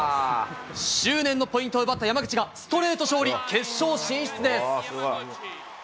執念のポイントを奪った山口がストレート勝利、決勝進出です。